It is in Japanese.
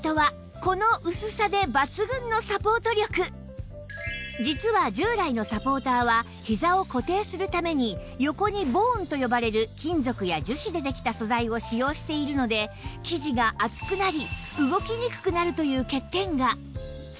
アルコーの実は従来のサポーターはひざを固定するために横にボーンと呼ばれる金属や樹脂でできた素材を使用しているので生地が厚くなり動きにくくなるという欠点が